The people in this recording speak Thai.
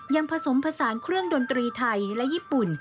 ผสมผสานเครื่องดนตรีไทยและญี่ปุ่น